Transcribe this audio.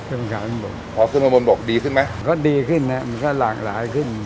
ทุกอย่างขึ้นบนพอขึ้นข้างบนบอกดีขึ้นไหมก็ดีขึ้นนะมันก็หลากหลายขึ้น